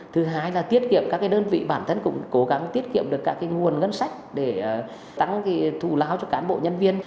thứ hai là tiết kiệm các đơn vị bản thân cũng cố gắng tiết kiệm được các nguồn ngân sách để tăng thù lao cho cán bộ nhân viên